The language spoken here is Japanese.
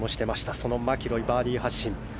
そのマキロイはバーディー発進。